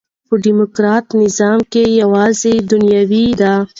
په ډيموکراټ نظام کښي یوازي دنیوي ده.